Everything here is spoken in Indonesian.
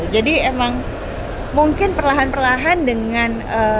jadi emang mungkin perlahan perlahan dengan